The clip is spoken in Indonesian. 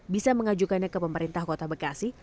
bisa mengajukannya ke pemerintah kota bekasi